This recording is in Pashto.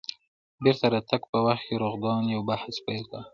د بېرته راتګ په وخت رضوان یو بحث پیل کړ.